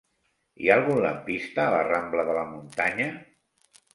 Hi ha algun lampista a la rambla de la Muntanya?